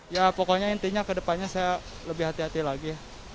ya pokoknya intinya kedepannya saya lebih hati hati lagi